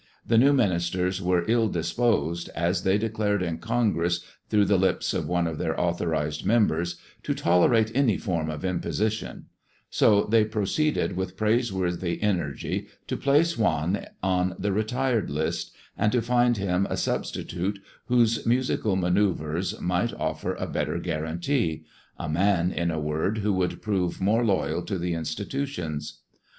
The new ministers were ill disposed, as they declared in Congress through the lips of one of their authorized members, "to tolerate any form of imposition," so they proceeded with praiseworthy energy to place Juan on the retired list, and to find him a substitute whose musical manoeuvres might offer a better guarantee, a man, in a word, who would prove more loyal to the institutions.